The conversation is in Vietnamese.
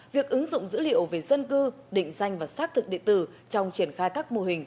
việc ứng dụng dữ liệu về dân cư định danh và xác thực địa tử trong triển khai các mô hình